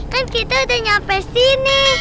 kan kita udah nyampe sini